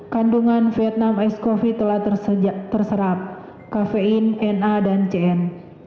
kandungan vietnam ice coffee telah terserap kafein na dan cn